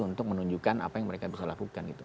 untuk menunjukkan apa yang mereka bisa lakukan gitu